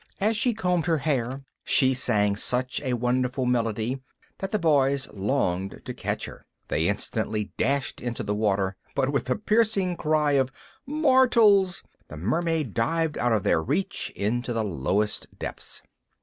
As she combed her hair she sang such a wonderful melody that the boys longed to catch her. They instantly dashed into the water, but with a piercing cry of "Mortals!" the Mermaid dived out of their reach into the lowest depths.